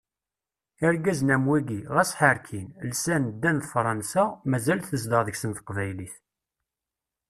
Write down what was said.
Irgazen am wigi, ɣas ḥerkin, lsan, ddan d Fransa, mazal tezdeɣ deg-sen teqbaylit.